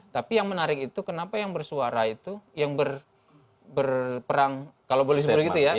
tapi yang menarik itu kenapa yang bersuara itu yang berperang kalau boleh disebut gitu ya